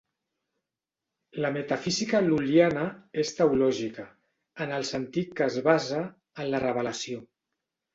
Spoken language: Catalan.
La metafísica lul·liana és teològica, en el sentit que es basa en la Revelació.